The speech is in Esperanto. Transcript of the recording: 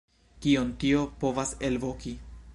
Kion tio povas elvoki?